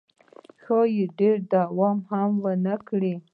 ښایي ډېر دوام هم ونه کړي.